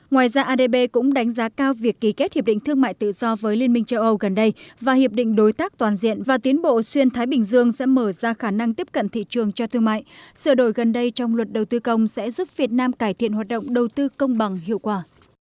ngoài ra adb cũng đánh giá cao việc ký kết hiệp định thương mại tự do với liên minh châu âu gần đây và hiệp định đối tác toàn diện và tiến bộ xuyên thái bình dương sẽ mở ra khả năng tiếp cận thị trường cho thương mại sửa đổi gần đây trong luật đầu tư công sẽ giúp việt nam cải thiện hoạt động đầu tư công bằng hiệu quả